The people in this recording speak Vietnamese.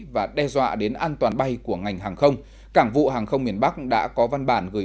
và đe dọa đến an toàn bay của ngành hàng không cảng vụ hàng không miền bắc đã có văn bản gửi